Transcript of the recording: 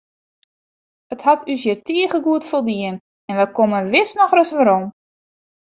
It hat ús hjir tige goed foldien en wy komme wis noch ris werom.